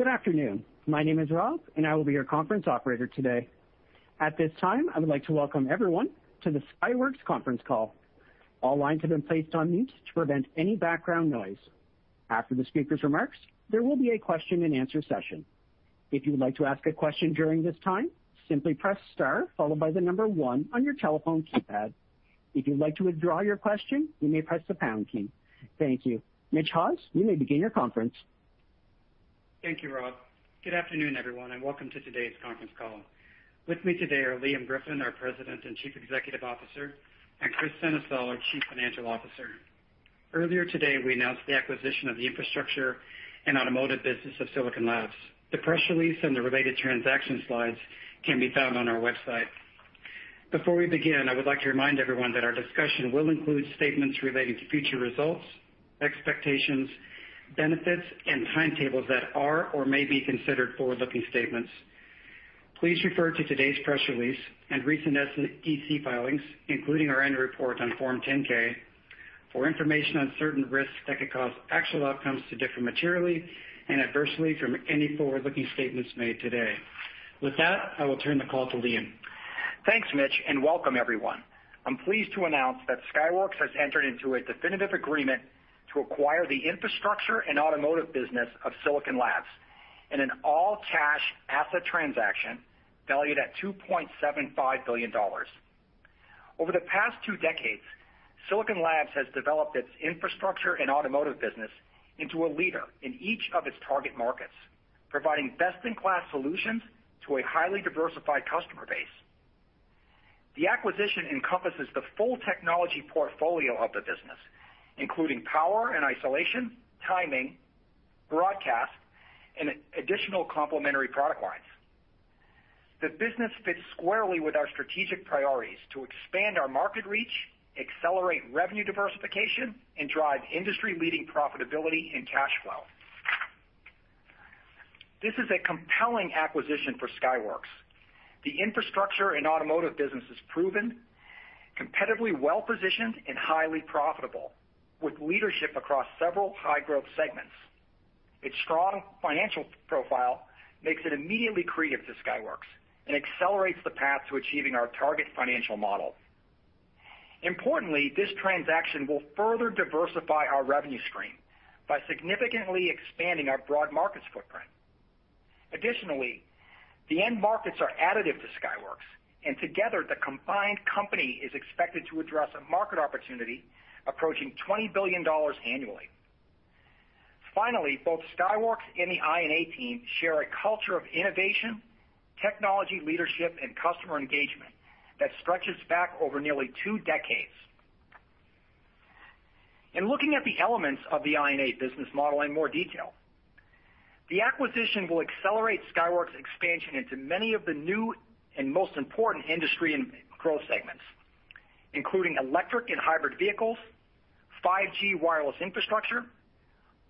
Good afternoon. My name is Rob, and I will be your conference operator today. At this time, I would like to welcome everyone to the Skyworks conference call. All lines have been placed on mute to prevent any background noise. After the speaker's remarks, there will be a question-and-answer session. If you would like to ask a question during this time, simply press star followed by the number one on your telephone keypad. If you'd like to withdraw your question, you may press the pound key. Thank you. Mitch Haws, you may begin your conference. Thank you, Rob. Good afternoon, everyone, and welcome to today's conference call. With me today are Liam Griffin, our President and Chief Executive Officer, and Kris Sennesael, our Chief Financial Officer. Earlier today, we announced the acquisition of the infrastructure and automotive business of Silicon Labs. The press release and the related transaction slides can be found on our website. Before we begin, I would like to remind everyone that our discussion will include statements relating to future results, expectations, benefits, and timetables that are or may be considered forward-looking statements. Please refer to today's press release and recent SEC filings, including our annual report on Form 10-K, for information on certain risks that could cause actual outcomes to differ materially and adversely from any forward-looking statements made today. With that, I will turn the call to Liam. Thanks, Mitch, and welcome everyone. I'm pleased to announce that Skyworks has entered into a definitive agreement to acquire the Infrastructure and Automotive business of Silicon Labs in an all-cash asset transaction valued at $2.75 billion. Over the past two decades, Silicon Labs has developed its Infrastructure and Automotive business into a leader in each of its target markets, providing best-in-class solutions to a highly diversified customer base. The acquisition encompasses the full technology portfolio of the business, including power and isolation, timing, broadcast, and additional complementary product lines. The business fits squarely with our strategic priorities to expand our market reach, accelerate revenue diversification, and drive industry-leading profitability and cash flow. This is a compelling acquisition for Skyworks. The Infrastructure and Automotive business is proven, competitively well-positioned and highly profitable, with leadership across several high-growth segments. Its strong financial profile makes it immediately accretive to Skyworks and accelerates the path to achieving our target financial model. Importantly, this transaction will further diversify our revenue stream by significantly expanding our broad markets footprint. Additionally, the end markets are additive to Skyworks, and together, the combined company is expected to address a market opportunity approaching $20 billion annually. Finally, both Skyworks and the I&A team share a culture of innovation, technology leadership, and customer engagement that stretches back over nearly two decades. In looking at the elements of the I&A business model in more detail, the acquisition will accelerate Skyworks' expansion into many of the new and most important industry and growth segments, including electric and hybrid vehicles, 5G wireless infrastructure,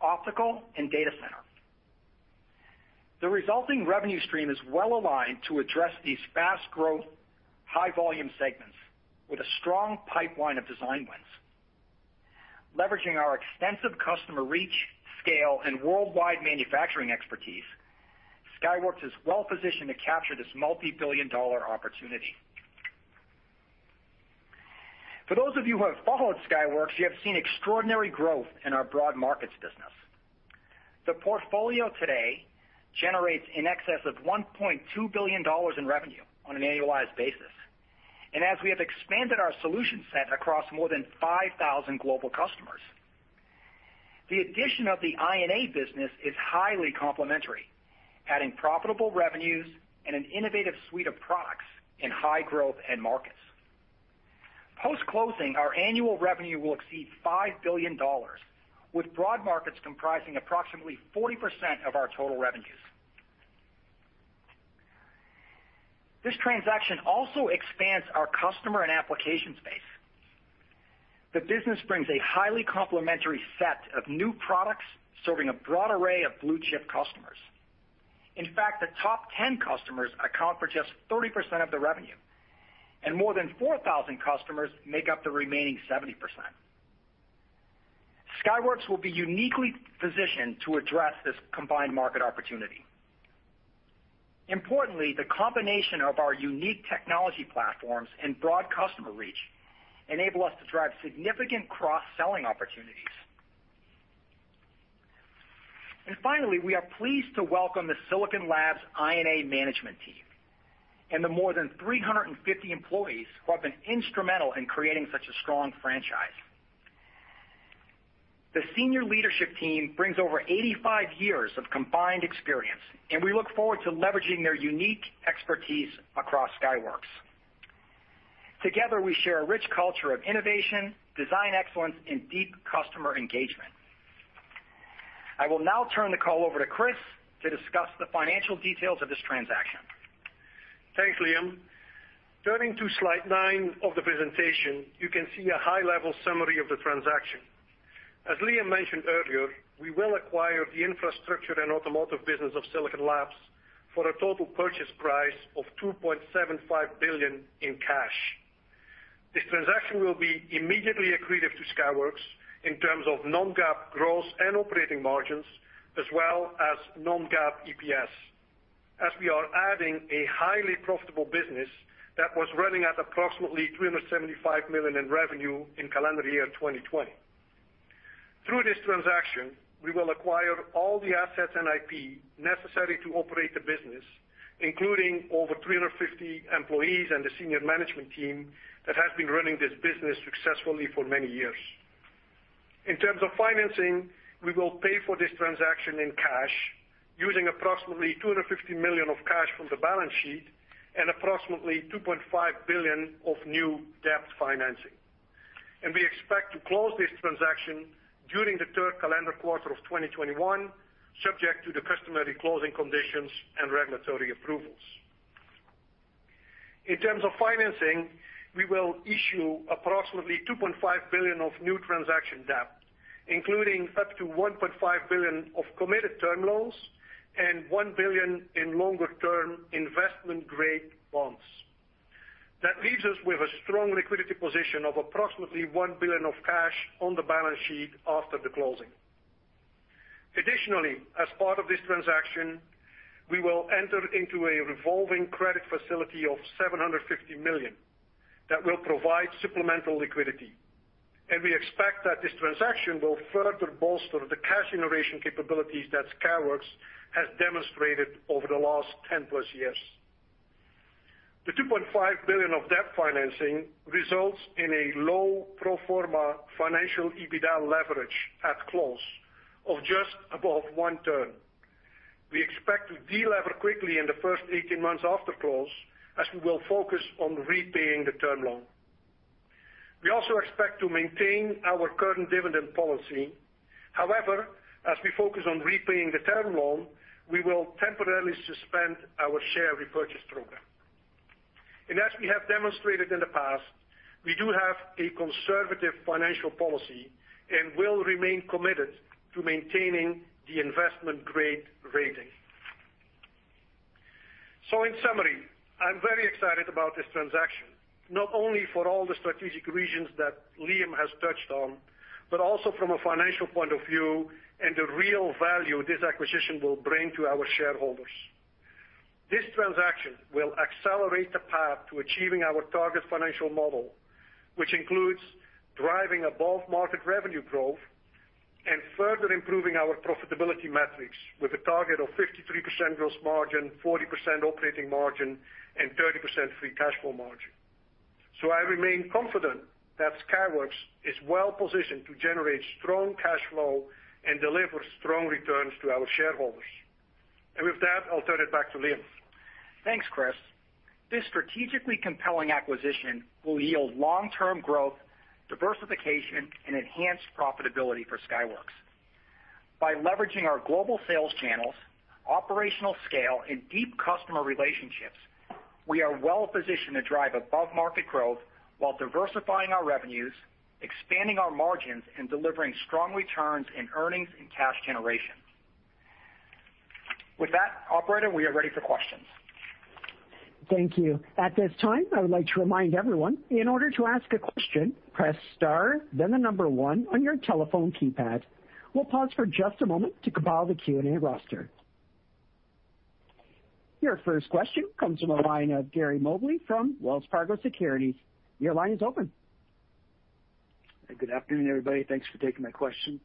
optical, and data center. The resulting revenue stream is well-aligned to address these fast-growth, high-volume segments with a strong pipeline of design wins. Leveraging our extensive customer reach, scale, and worldwide manufacturing expertise, Skyworks is well-positioned to capture this multi-billion-dollar opportunity. For those of you who have followed Skyworks, you have seen extraordinary growth in our broad markets business. The portfolio today generates in excess of $1.2 billion in revenue on an annualized basis, and as we have expanded our solution set across more than 5,000 global customers. The addition of the I&A business is highly complementary, adding profitable revenues and an innovative suite of products in high-growth end markets. Post-closing, our annual revenue will exceed $5 billion, with broad markets comprising approximately 40% of our total revenues. This transaction also expands our customer and application space. The business brings a highly complementary set of new products serving a broad array of blue-chip customers. In fact, the top 10 customers account for just 30% of the revenue, and more than 4,000 customers make up the remaining 70%. Skyworks will be uniquely positioned to address this combined market opportunity. Importantly, the combination of our unique technology platforms and broad customer reach enable us to drive significant cross-selling opportunities. Finally, we are pleased to welcome the Silicon Labs I&A management team and the more than 350 employees who have been instrumental in creating such a strong franchise. The senior leadership team brings over 85 years of combined experience, and we look forward to leveraging their unique expertise across Skyworks. Together, we share a rich culture of innovation, design excellence, and deep customer engagement. I will now turn the call over to Kris to discuss the financial details of this transaction. Thanks, Liam. Turning to slide nine of the presentation, you can see a high-level summary of the transaction. As Liam mentioned earlier, we will acquire the Infrastructure & Automotive business of Silicon Labs for a total purchase price of $2.75 billion in cash. This transaction will be immediately accretive to Skyworks in terms of non-GAAP growth and operating margins, as well as non-GAAP EPS, as we are adding a highly profitable business that was running at approximately $375 million in revenue in calendar year 2020. Through this transaction, we will acquire all the assets and IP necessary to operate the business, including over 350 employees and the senior management team that has been running this business successfully for many years. In terms of financing, we will pay for this transaction in cash, using approximately $250 million of cash from the balance sheet and approximately $2.5 billion of new debt financing. We expect to close this transaction during the third calendar quarter of 2021, subject to the customary closing conditions and regulatory approvals. In terms of financing, we will issue approximately $2.5 billion of new transaction debt, including up to $1.5 billion of committed turn loans and $1 billion in longer turn investment-grade bonds. That leaves us with a strong liquidity position of approximately $1 billion of cash on the balance sheet after the closing. Additionally, as part of this transaction, we will enter into a revolving credit facility of $750 million that will provide supplemental liquidity, and we expect that this transaction will further bolster the cash generation capabilities that Skyworks has demonstrated over the last 10+ years. The $2.5 billion of debt financing results in a low pro forma financial EBITDA leverage at close of just above one term. We expect to delever quickly in the first 18 months after close, as we will focus on repaying the term loan. We also expect to maintain our current dividend policy. However, as we focus on repaying the term loan, we will temporarily suspend our share repurchase program. As we have demonstrated in the past, we do have a conservative financial policy and will remain committed to maintaining the investment-grade rating. In summary, I'm very excited about this transaction, not only for all the strategic reasons that Liam has touched on, but also from a financial point of view and the real value this acquisition will bring to our shareholders. This transaction will accelerate the path to achieving our target financial model, which includes driving above-market revenue growth and further improving our profitability metrics with a target of 53% gross margin, 40% operating margin and 30% free cash flow margin. I remain confident that Skyworks is well positioned to generate strong cash flow and deliver strong returns to our shareholders. With that, I'll turn it back to Liam. Thanks, Kris. This strategically compelling acquisition will yield long-term growth, diversification, and enhanced profitability for Skyworks. By leveraging our global sales channels, operational scale, and deep customer relationships, we are well positioned to drive above-market growth while diversifying our revenues, expanding our margins, and delivering strong returns in earnings and cash generation. With that, operator, we are ready for questions. Thank you. At this time, I would like to remind everyone, in order to ask a question, press star, then the number one on your telephone keypad. We will pause for just a moment to compile the Q&A roster. Your first question comes from the line of Gary Mobley from Wells Fargo Securities. Your line is open. Good afternoon, everybody. Thanks for taking my question.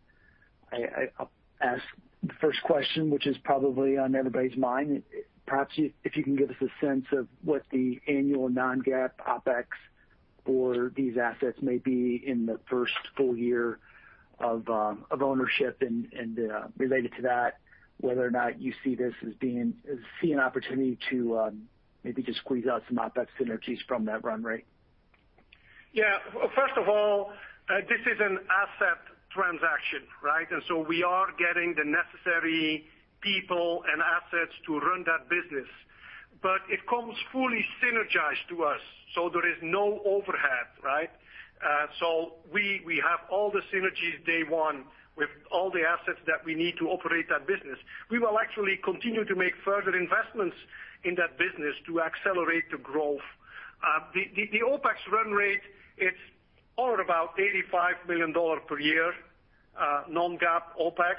I'll ask the first question, which is probably on everybody's mind. Perhaps if you can give us a sense of what the annual non-GAAP OpEx for these assets may be in the first full year of ownership and, related to that, whether or not you see an opportunity to maybe just squeeze out some OpEx synergies from that run rate. Yeah. First of all, this is an asset transaction, right? We are getting the necessary people and assets to run that business. It comes fully synergized to us, so there is no overhead, right? We have all the synergies day one with all the assets that we need to operate that business. We will actually continue to make further investments in that business to accelerate the growth. The OpEx run rate, it's at about $85 million per year non-GAAP OpEx.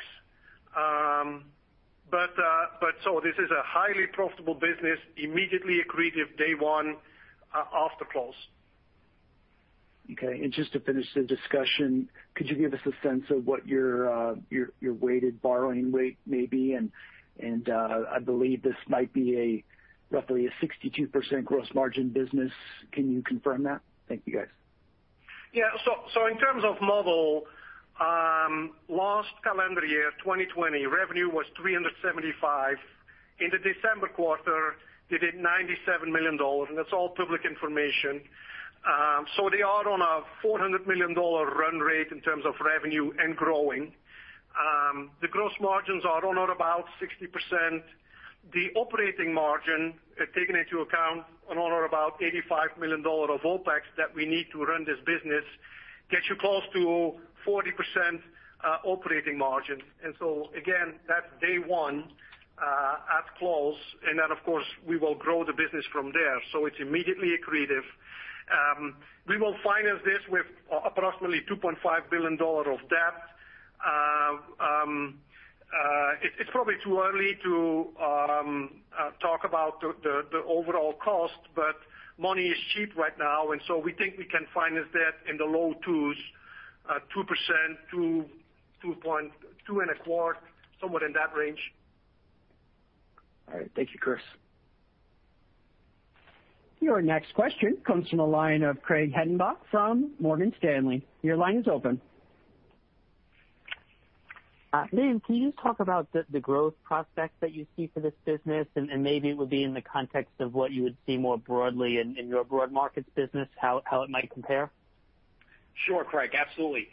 This is a highly profitable business, immediately accretive day one after close. Okay, just to finish the discussion, could you give us a sense of what your weighted borrowing rate may be? I believe this might be roughly a 62% gross margin business. Can you confirm that? Thank you, guys. Yeah. In terms of model, last calendar year, 2020, revenue was $375 million. In the December quarter, they did $97 million, and that's all public information. They are on a $400 million run rate in terms of revenue and growing. The gross margins are around about 60%. The operating margin, taking into account around about $85 million of OpEx that we need to run this business, gets you close to 40% operating margin. Again, that's day one at close, and then of course, we will grow the business from there. It's immediately accretive. We will finance this with approximately $2.5 billion of debt. It's probably too early to talk about the overall cost, but money is cheap right now, and so we think we can finance that in the low 2s, 2%, 2.25%, somewhere in that range. All right. Thank you, Kris. Your next question comes from the line of Craig Hettenbach from Morgan Stanley. Your line is open. Liam, can you just talk about the growth prospects that you see for this business, and maybe it would be in the context of what you would see more broadly in your broad markets business, how it might compare? Sure, Craig, absolutely.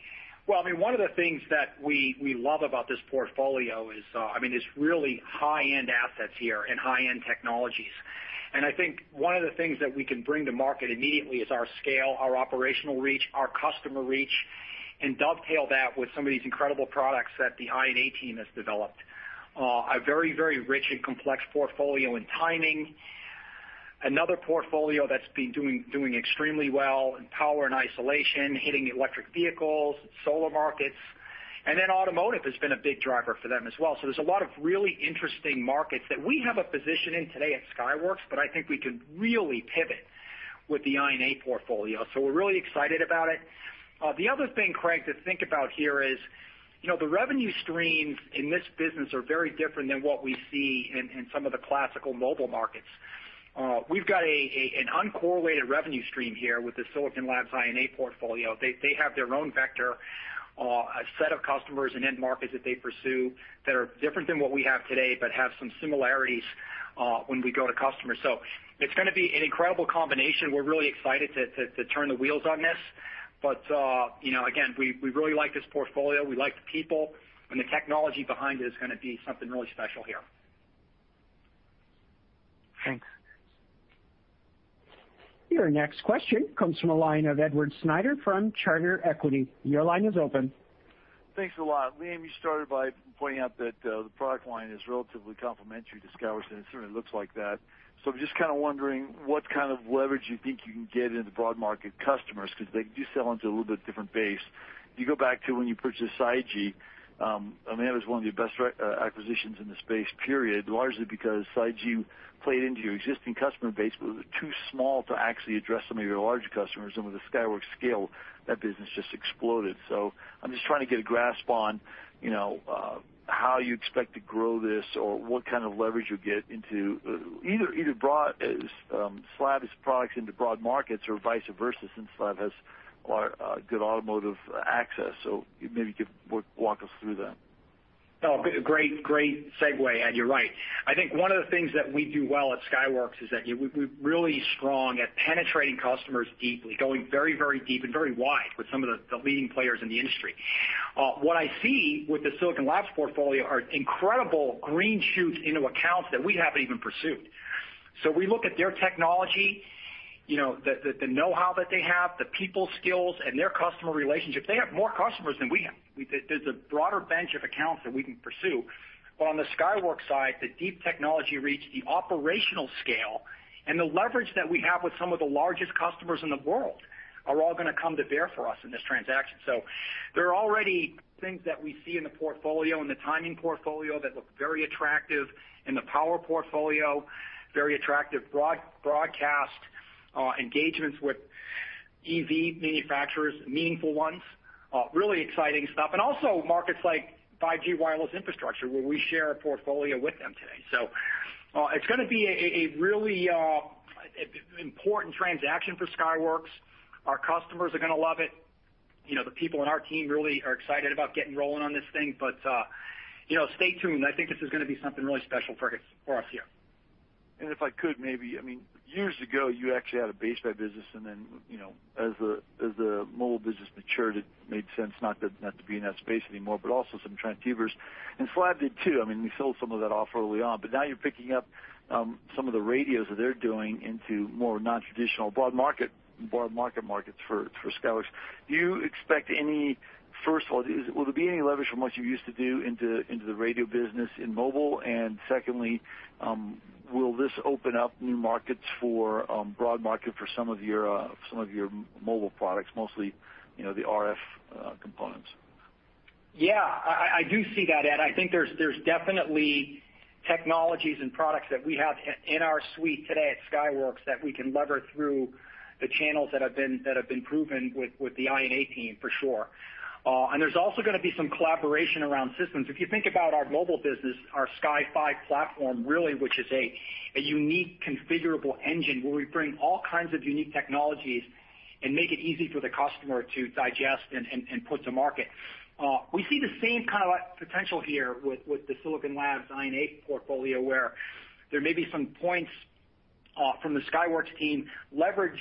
One of the things that we love about this portfolio is, there's really high-end assets here and high-end technologies. I think one of the things that we can bring to market immediately is our scale, our operational reach, our customer reach, and dovetail that with some of these incredible products that the I&A team has developed. A very, very rich and complex portfolio in timing. Another portfolio that's been doing extremely well in power and isolation, hitting electric vehicles, solar markets, and then automotive has been a big driver for them as well. There's a lot of really interesting markets that we have a position in today at Skyworks, but I think we could really pivot with the I&A portfolio. We're really excited about it. The other thing, Craig, to think about here is, the revenue streams in this business are very different than what we see in some of the classical mobile markets. We've got an uncorrelated revenue stream here with the Silicon Labs I&A portfolio. They have their own vector, a set of customers and end markets that they pursue that are different than what we have today, but have some similarities when we go to customers. It's going to be an incredible combination. We're really excited to turn the wheels on this. Again, we really like this portfolio. We like the people, and the technology behind it is going to be something really special here. Thanks. Your next question comes from the line of Edward Snyder from Charter Equity. Your line is open. Thanks a lot. Liam, you started by pointing out that the product line is relatively complementary to Skyworks, and it certainly looks like that. Just kind of wondering what kind of leverage you think you can get into broad market customers, because they do sell into a little bit different base. You go back to when you purchased SiGe, I mean, that was one of your best acquisitions in the space, period, largely because SiGe played into your existing customer base, but it was too small to actually address some of your larger customers, and with the Skyworks scale, that business just exploded. I'm just trying to get a grasp on how you expect to grow this or what kind of leverage you get into either SLAB products into broad markets or vice versa, since SLAB has good automotive access. Maybe you could walk us through that. Great segue, Ed. You're right. I think one of the things that we do well at Skyworks is that we're really strong at penetrating customers deeply, going very, very deep and very wide with some of the leading players in the industry. What I see with the Silicon Labs portfolio are incredible green shoots into accounts that we haven't even pursued. We look at their technology, the know-how that they have, the people skills, and their customer relationships. They have more customers than we have. There's a broader bench of accounts that we can pursue. On the Skyworks side, the deep technology reach, the operational scale, and the leverage that we have with some of the largest customers in the world are all going to come to bear for us in this transaction. There are already things that we see in the portfolio, in the timing portfolio, that look very attractive. In the power portfolio, very attractive broadcast engagements with EV manufacturers, meaningful ones. Really exciting stuff. Also markets like 5G wireless infrastructure, where we share a portfolio with them today. It's going to be a really important transaction for Skyworks. Our customers are going to love it. The people on our team really are excited about getting rolling on this thing. Stay tuned. I think this is going to be something really special for us here. If I could maybe, years ago, you actually had a baseband business and then, as the mobile business matured, it made sense not to be in that space anymore, but also some transceivers, and SLAB did too. We sold some of that off early on. Now you're picking up some of the radios that they're doing into more non-traditional broad market markets for Skyworks. First of all, will there be any leverage from what you used to do into the radio business in mobile? Secondly, will this open up new markets for broad market for some of your mobile products, mostly the RF components? Yeah, I do see that, Ed. I think there's definitely technologies and products that we have in our suite today at Skyworks that we can lever through the channels that have been proven with the I&A team, for sure. There's also going to be some collaboration around systems. If you think about our mobile business, our Sky5 platform, really, which is a unique configurable engine where we bring all kinds of unique technologies and make it easy for the customer to digest and put to market. We see the same kind of potential here with the Silicon Labs I&A portfolio, where there may be some points from the Skyworks team leveraged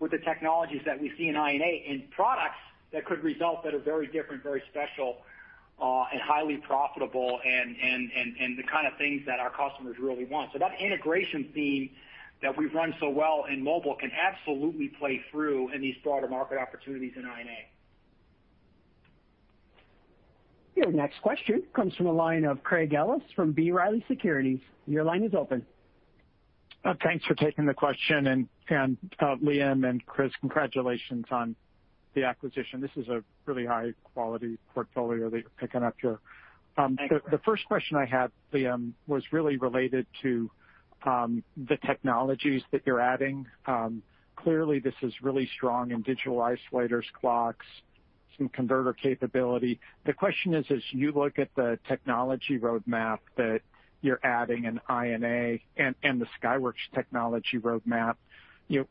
with the technologies that we see in I&A in products that could result that are very different, very special and highly profitable and the kind of things that our customers really want. That integration theme that we've run so well in mobile can absolutely play through in these broader market opportunities in I&A. Your next question comes from the line of Craig Ellis from B. Riley Securities. Your line is open. Thanks for taking the question, and Liam and Kris, congratulations on the acquisition. This is a really high-quality portfolio that you're picking up here. Thank you. The first question I had, Liam, was really related to the technologies that you're adding. Clearly, this is really strong in digital isolators, clocks, some converter capability. The question is, as you look at the technology roadmap that you're adding in I&A and the Skyworks technology roadmap,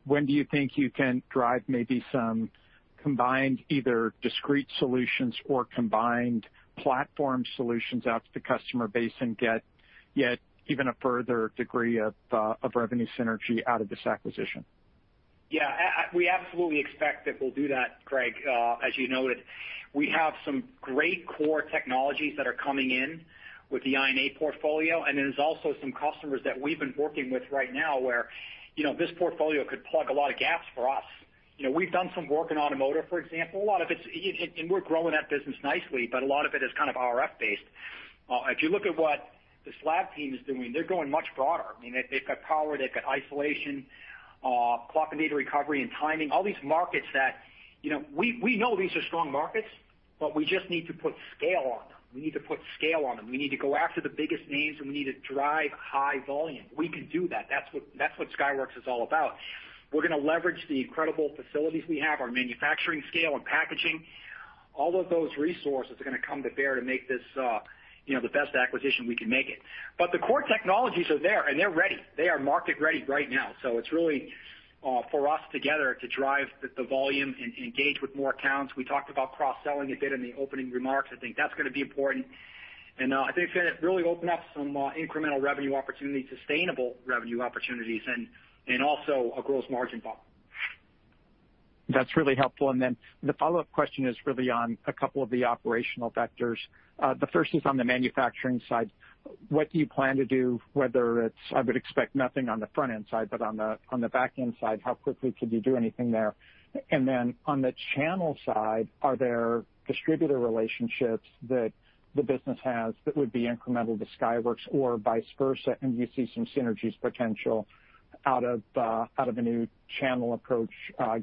when do you think you can drive maybe some combined either discrete solutions or combined platform solutions out to the customer base and get yet even a further degree of revenue synergy out of this acquisition? Yeah. We absolutely expect that we'll do that, Craig. As you noted, we have some great core technologies that are coming in with the I&A portfolio. There's also some customers that we've been working with right now where this portfolio could plug a lot of gaps for us. We've done some work in automotive, for example. We're growing that business nicely, but a lot of it is kind of RF based. If you look at what the Silicon Labs team is doing, they're going much broader. They've got power, they've got isolation, clock and data recovery, and timing. All these markets that we know these are strong markets. We just need to put scale on them. We need to go after the biggest names. We need to drive high volume. We can do that. That's what Skyworks is all about. We're going to leverage the incredible facilities we have, our manufacturing scale and packaging. All of those resources are going to come to bear to make this the best acquisition we can make it. The core technologies are there, and they're ready. They are market-ready right now. It's really for us together to drive the volume and engage with more accounts. We talked about cross-selling a bit in the opening remarks. I think that's going to be important, and I think it's going to really open up some incremental revenue opportunities, sustainable revenue opportunities, and also a gross margin bump. That's really helpful, and then the follow-up question is really on a couple of the operational vectors. The first is on the manufacturing side. What do you plan to do, whether it's, I would expect nothing on the front-end side, but on the back-end side, how quickly could you do anything there? Then on the channel side, are there distributor relationships that the business has that would be incremental to Skyworks or vice versa? Do you see some synergies potential out of a new channel approach,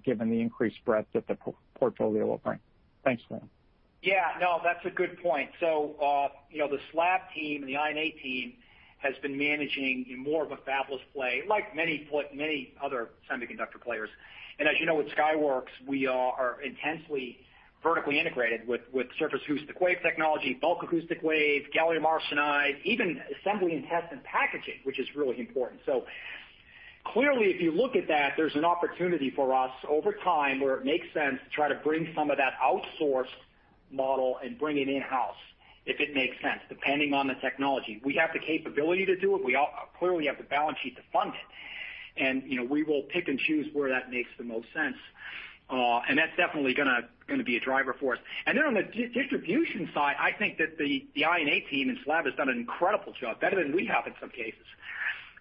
given the increased breadth that the portfolio will bring? Thanks, Liam. Yeah. No, that's a good point. The SLAB team and the I&A team has been managing in more of a fabless play, like many other semiconductor players. As you know, with Skyworks, we are intensely vertically integrated with surface acoustic wave technology, bulk acoustic wave, gallium arsenide, even assembly and test and packaging, which is really important. Clearly, if you look at that, there's an opportunity for us over time where it makes sense to try to bring some of that outsourced model and bring it in-house, if it makes sense, depending on the technology. We have the capability to do it. We clearly have the balance sheet to fund it, and we will pick and choose where that makes the most sense. That's definitely going to be a driver for us. Then on the distribution side, I think that the I&A team and SLABs has done an incredible job, better than we have in some cases.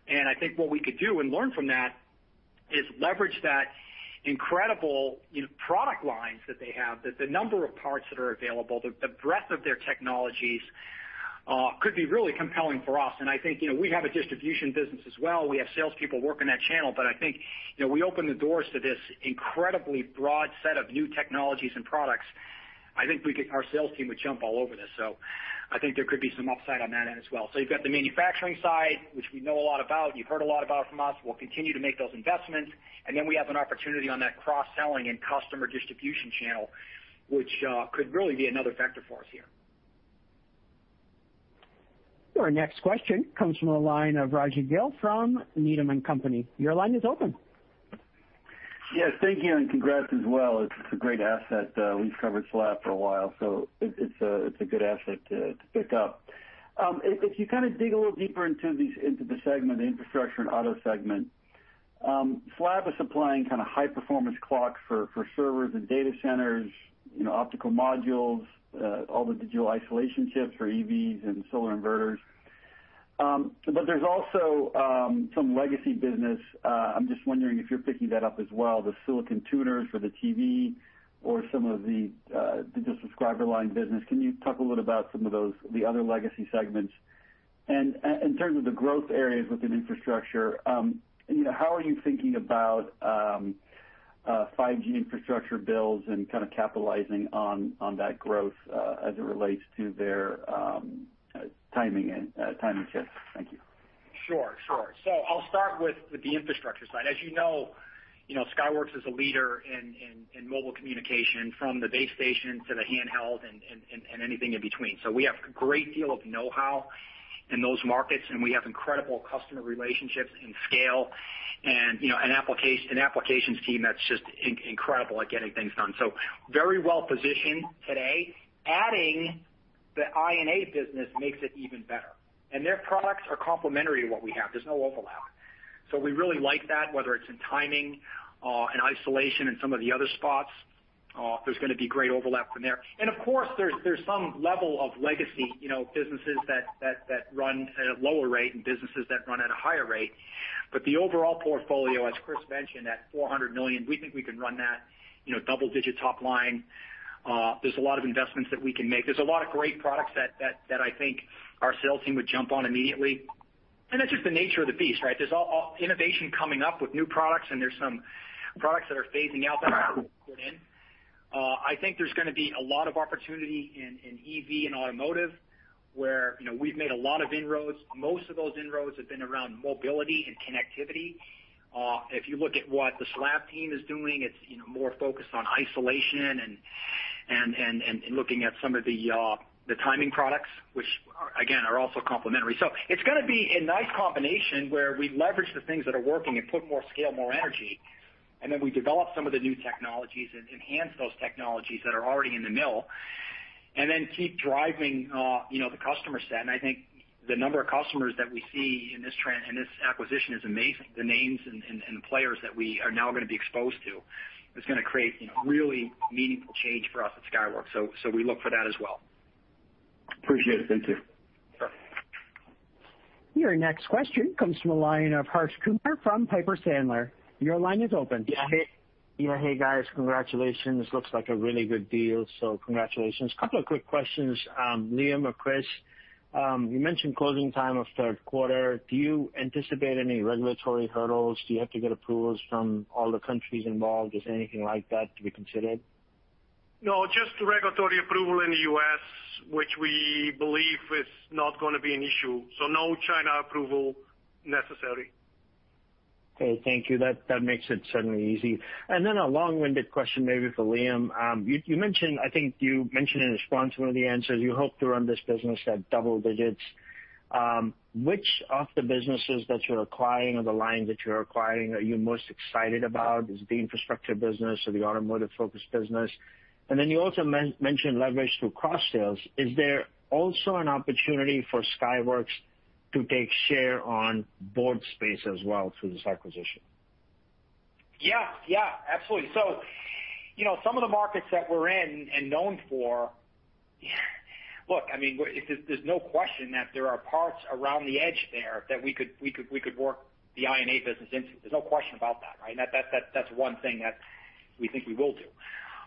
I think what we could do and learn from that is leverage that incredible product lines that they have, that the number of parts that are available, the breadth of their technologies could be really compelling for us. I think we have a distribution business as well. We have salespeople working that channel, but I think we open the doors to this incredibly broad set of new technologies and products. I think our sales team would jump all over this. I think there could be some upside on that end as well. You've got the manufacturing side, which we know a lot about, you've heard a lot about from us. We'll continue to make those investments. We have an opportunity on that cross-selling and customer distribution channel, which could really be another vector for us here. Our next question comes from the line of Raji Gill from Needham & Company. Your line is open. Yes, thank you. Congrats as well. It's a great asset. We've covered SLAB for a while, so it's a good asset to pick up. If you kind of dig a little deeper into the segment, the Infrastructure & Automotive segment, SLAB is supplying kind of high-performance clocks for servers and data centers, optical modules, all the digital isolation chips for EVs and solar inverters. There's also some legacy business. I'm just wondering if you're picking that up as well, the silicon tuners for the TV or some of the digital subscriber line business. Can you talk a little about some of those, the other legacy segments? In terms of the growth areas within infrastructure, how are you thinking about 5G infrastructure builds and kind of capitalizing on that growth, as it relates to their timing shifts? Thank you. Sure. I'll start with the infrastructure side. As you know, Skyworks is a leader in mobile communication from the base station to the handheld and anything in between. We have a great deal of know-how in those markets, and we have incredible customer relationships and scale and an applications team that's just incredible at getting things done. Very well-positioned today. Adding the I&A business makes it even better, and their products are complementary to what we have. There's no overlap. So we really like that, whether it's in timing or in isolation and some of the other spots, there's going to be great overlap in there. Of course, there's some level of legacy businesses that run at a lower rate and businesses that run at a higher rate. The overall portfolio, as Kris mentioned, that $400 million, we think we can run that double-digit top line. There's a lot of investments that we can make. There's a lot of great products that I think our sales team would jump on immediately. That's just the nature of the beast, right? There's innovation coming up with new products, and there's some products that are phasing out that we have to put in. I think there's going to be a lot of opportunity in EV and automotive, where we've made a lot of inroads. Most of those inroads have been around mobility and connectivity. If you look at what the SLAB team is doing, it's more focused on isolation and looking at some of the timing products, which, again, are also complementary. It's going to be a nice combination where we leverage the things that are working and put more scale, more energy, and then we develop some of the new technologies and enhance those technologies that are already in the mill, and then keep driving the customer set. I think the number of customers that we see in this acquisition is amazing. The names and the players that we are now going to be exposed to is going to create really meaningful change for us at Skyworks. We look for that as well. Appreciate it. Thank you. Sure. Your next question comes from the line of Harsh Kumar from Piper Sandler. Your line is open. Yeah. Hey, guys, congratulations. Looks like a really good deal, so congratulations. Couple of quick questions. Liam or Kris, you mentioned closing time of third quarter. Do you anticipate any regulatory hurdles? Do you have to get approvals from all the countries involved? Is anything like that to be considered? No, just the regulatory approval in the U.S., which we believe is not going to be an issue. No China approval necessary. Okay. Thank you. That makes it certainly easy. A long-winded question maybe for Liam. I think you mentioned in response to one of the answers, you hope to run this business at double digits. Which of the businesses that you're acquiring or the lines that you're acquiring are you most excited about? Is it the infrastructure business or the automotive-focused business? You also mentioned leverage through cross-sales. Is there also an opportunity for Skyworks to take share on board space as well through this acquisition? Yeah. Absolutely. Some of the markets that we're in and known for. Look, there's no question that there are parts around the edge there that we could work the I&A business into. There's no question about that, right? That's one thing that we think we will do.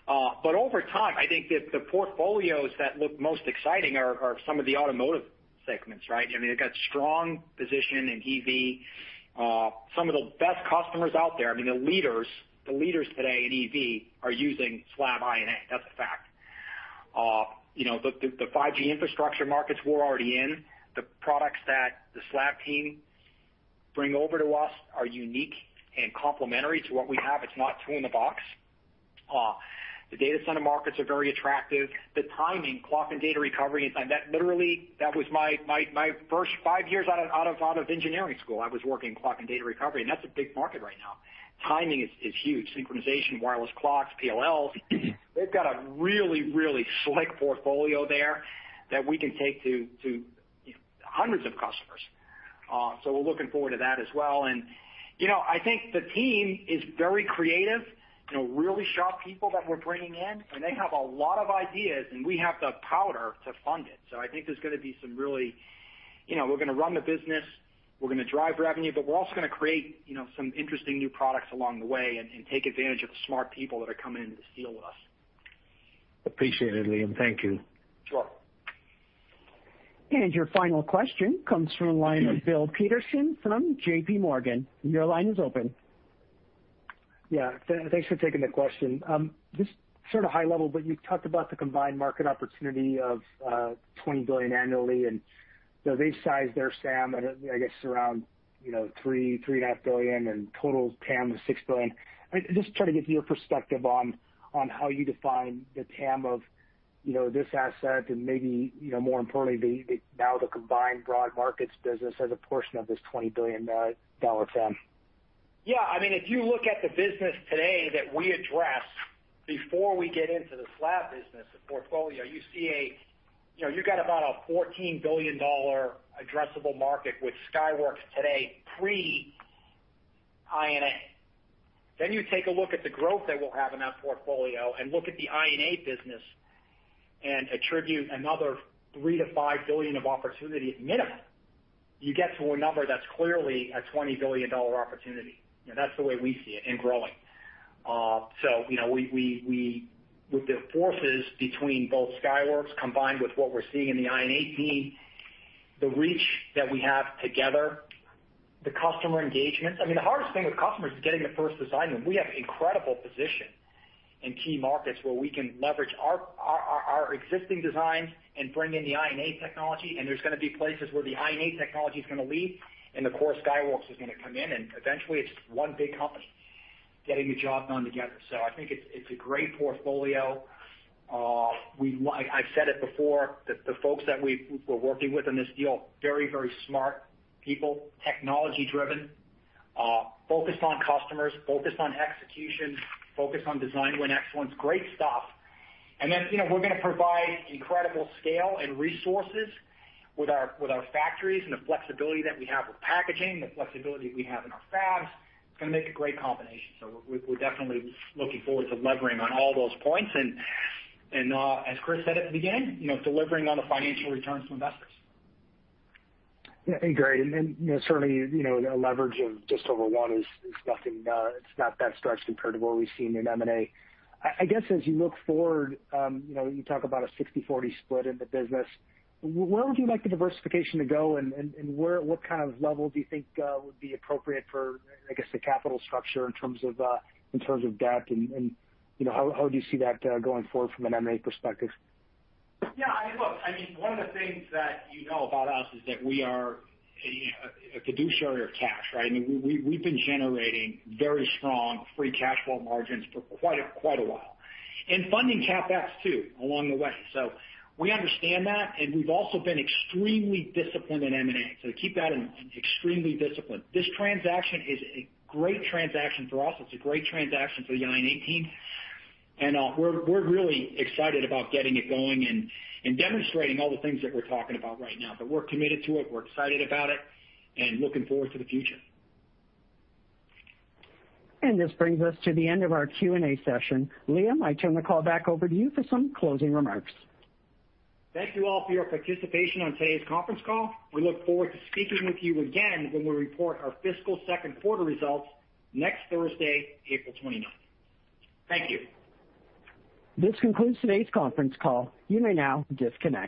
Over time, I think that the portfolios that look most exciting are some of the automotive segments, right? They've got strong position in EV. Some of the best customers out there, the leaders today in EV are using SLAB I&A. That's a fact. The 5G infrastructure markets we're already in, the products that the SLAB team bring over to us are unique and complementary to what we have. It's not two in the box. The data center markets are very attractive. The timing, clock and data recovery, literally, that was my first five years out of engineering school. I was working clock and data recovery, and that's a big market right now. Timing is huge. Synchronization, wireless clocks, PLLs. They've got a really, really slick portfolio there that we can take to hundreds of customers. We're looking forward to that as well. I think the team is very creative, really sharp people that we're bringing in, and they have a lot of ideas, and we have the powder to fund it. I think there's going to be some. We're going to run the business, we're going to drive revenue, but we're also going to create some interesting new products along the way and take advantage of the smart people that are coming into this deal with us. Appreciated, Liam. Thank you. Sure. Your final question comes from the line of Bill Peterson from JPMorgan. Your line is open. Yeah. Thanks for taking the question. Just sort of high level, but you talked about the combined market opportunity of $20 billion annually, and they sized their TAM, I guess, around $3 billion, $3.5 billion, and total TAM of $6 billion. Just trying to get your perspective on how you define the TAM of this asset and maybe more importantly, now the combined broad markets business as a portion of this $20 billion TAM. If you look at the business today that we address before we get into the SLAB business, the portfolio, you've got about a $14 billion addressable market with Skyworks today pre-I&A. You take a look at the growth that we'll have in that portfolio and look at the I&A business and attribute another $3 billion-$5 billion of opportunity at minimum, you get to a number that's clearly a $20 billion opportunity. With the forces between both Skyworks combined with what we're seeing in the I&A team, the reach that we have together, the customer engagement. The hardest thing with customers is getting the first design in. We have incredible position in key markets where we can leverage our existing designs and bring in the I&A technology. There's going to be places where the I&A technology's going to lead. Of course, Skyworks is going to come in, and eventually it's one big company getting the job done together. I think it's a great portfolio. I've said it before, the folks that we're working with in this deal, very, very smart people, technology-driven, focused on customers, focused on execution, focused on design win excellence, great stuff. Then we're going to provide incredible scale and resources with our factories and the flexibility that we have with packaging, the flexibility we have in our fabs. It's going to make a great combination. We're definitely looking forward to levering on all those points and, as Kris said at the beginning, delivering on the financial returns to investors. Yeah. Great. Certainly, the leverage of just over one is nothing. It's not that stretched compared to what we've seen in M&A. I guess as you look forward, you talk about a 60/40 split in the business. Where would you like the diversification to go, and what kind of level do you think would be appropriate for, I guess, the capital structure in terms of debt? How do you see that going forward from an M&A perspective? Yeah. Look, one of the things that you know about us is that we are a fiduciary of cash, right? We've been generating very strong free cash flow margins for quite a while. Funding CapEx too along the way. We understand that, and we've also been extremely disciplined in M&A. Keep that in, extremely disciplined. This transaction is a great transaction for us. It's a great transaction for the I&A team, and we're really excited about getting it going and demonstrating all the things that we're talking about right now. We're committed to it, we're excited about it, and looking forward to the future. This brings us to the end of our Q&A session. Liam, I turn the call back over to you for some closing remarks. Thank you all for your participation on today's conference call. We look forward to speaking with you again when we report our fiscal second quarter results next Thursday, April 29th. Thank you. This concludes today's conference call. You may now disconnect.